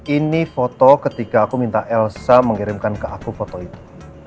ini foto ketika aku minta elsa mengirimkan ke aku foto itu